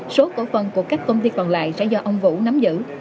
số cổ phần của các công ty còn lại sẽ do ông vũ nắm giữ